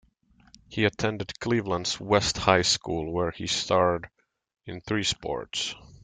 He attended Cleveland's West High School where he starred in three sports.